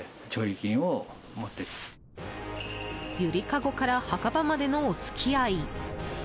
ゆりかごから墓場までのお付き合い。